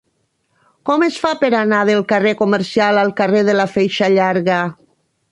Com es fa per anar del carrer Comercial al carrer de la Feixa Llarga?